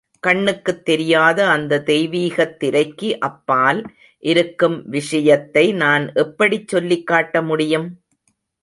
கண்ணுக்குத் தெரியாத அந்த தெய்வீகத் திரைக்கு அப்பால் இருக்கும் விஷயத்தை நான் எப்படிச் சொல்லிக் காட்ட முடியும்?